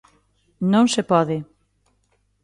Non se pode.